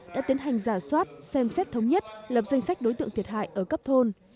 đã tiến hành giả soát xem xét thống nhất lập danh sách đối tượng thiệt hại ở cấp thôn